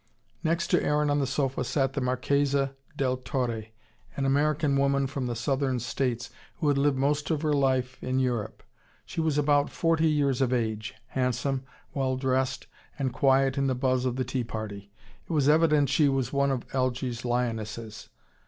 Next to Aaron on the sofa sat the Marchesa del Torre, an American woman from the Southern States, who had lived most of her life in Europe. She was about forty years of age, handsome, well dressed, and quiet in the buzz of the tea party. It was evident she was one of Algy's lionesses.